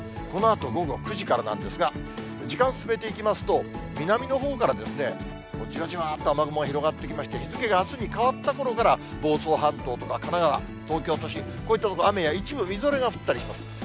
このあと午後９時からなんですが、時間進めていきますと、南のほうからじわじわっと雨雲が広がってきまして、日付があすに変わったころから、房総半島とか神奈川、東京都心、こういった所、雨や一部、みぞれが降ったりします。